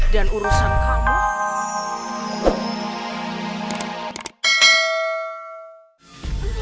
dan urusan kamu